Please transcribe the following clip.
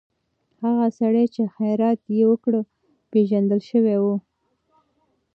هغه سړی چې خیرات یې وکړ، پېژندل شوی و.